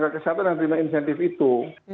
naga kesehatan yang terima insentif itu